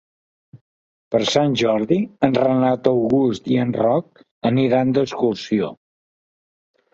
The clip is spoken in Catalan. Per Sant Jordi en Renat August i en Roc aniran d'excursió.